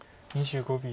２５秒。